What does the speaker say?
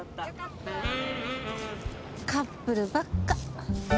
カップルばっか。